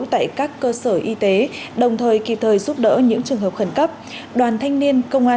tại các cơ sở y tế đồng thời kịp thời giúp đỡ những trường hợp khẩn cấp đoàn thanh niên công an